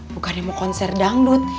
bukannya mau konser dangdut